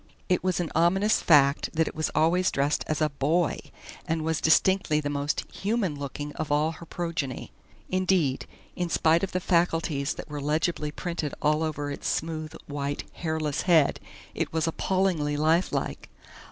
It was an ominous fact that it was always dressed as a BOY, and was distinctly the most HUMAN looking of all her progeny. Indeed, in spite of the faculties that were legibly printed all over its smooth, white, hairless head, it was appallingly lifelike.